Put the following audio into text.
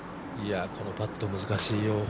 このパット難しいよ。